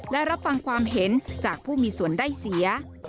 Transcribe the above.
และรับฟังความเห็นจากผู้มีส่วนได้เสีย